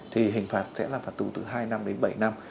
thì hình phạt sẽ là phạt tù từ hai năm đến bảy năm